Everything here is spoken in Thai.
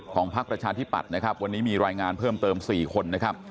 พักประชาธิปัตย์นะครับวันนี้มีรายงานเพิ่มเติม๔คนนะครับ